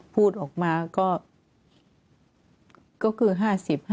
พูดออกมาก็คือ๕๐๕๐อะ